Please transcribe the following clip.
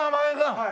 はい。